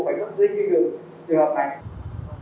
xíu xíu xíu xíu xíu xíu xíu xíu xíu xíu xíu